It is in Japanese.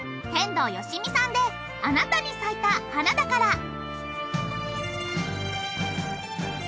天童よしみさんで『あなたに咲いた花だから』。